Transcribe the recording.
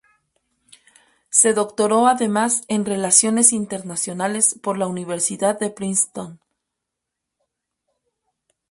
Se doctoró además en Relaciones Internacionales por la Universidad de Princeton.